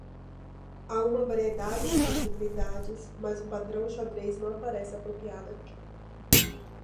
Há uma variedade de possibilidades, mas o padrão xadrez não parece apropriado aqui.